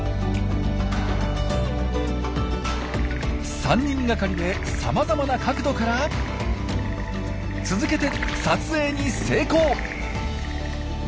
３人がかりでさまざまな角度から続けて撮影に成功！